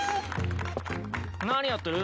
何やってる？